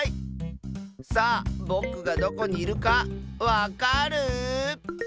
さあぼくがどこにいるかわかる？